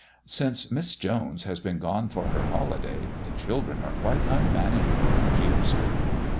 "Since Miss Jones has been gone for her holiday the children are quite unmanageable," she observed.